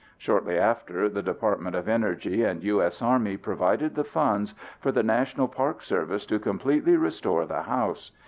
Shortly after, the Department of Energy and U.S. Army provided the funds for the National Park Service to completely restore the house.